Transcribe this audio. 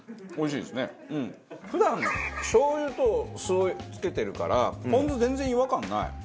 普段しょう油と酢をつけてるからポン酢全然違和感ない。